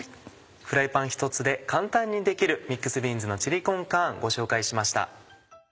フライパンひとつで簡単にできる「ミックスビーンズのチリコンカーン」ご紹介しました。